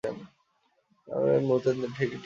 আর এম-মুতেন্দে, সে কি ঠিক আছে?